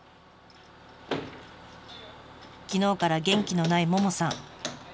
昨日から元気のないももさん。